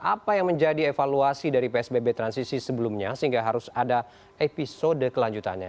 apa yang menjadi evaluasi dari psbb transisi sebelumnya sehingga harus ada episode kelanjutannya